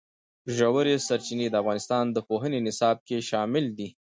ژورې سرچینې د افغانستان د پوهنې نصاب کې شامل دي.